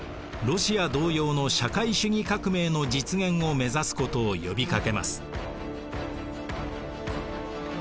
ロシア同様の社会主義革命の実現を目指すことを呼びかけます。